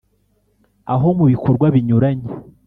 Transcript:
aho mu bikorwa binyuranye